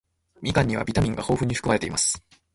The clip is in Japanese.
みかんにはビタミンが豊富に含まれています。